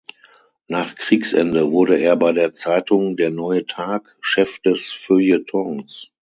Nach Kriegsende wurde er bei der Zeitung "Der Neue Tag" Chef des Feuilletons.